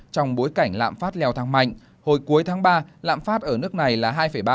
trong bối cảnh lạm phát leo thang mạnh hồi cuối tháng ba lạm phát ở nước này là hai ba